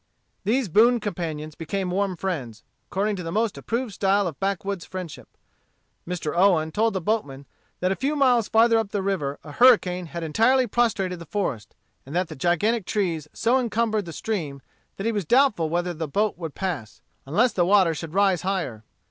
These boon companions became warm friends, according to the most approved style of backwoods friendship. Mr. Owen told the boatmen that a few miles farther up the river a hurricane had entirely prostrated the forest, and that the gigantic trees so encumbered the stream that he was doubtful whether the boat could pass, unless the water should rise higher.